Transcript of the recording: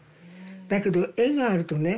だけど絵があるとね